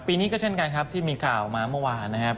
ปีนี้ก็เช่นกันครับที่มีข่าวมาเมื่อวานนะครับ